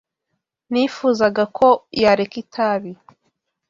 Nifuzaga ko yareka itabi.